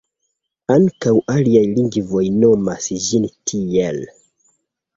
Ankaŭ aliaj lingvoj nomas ĝin tiel.